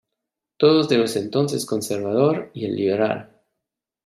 Todos de los entonces Conservador y el Liberal.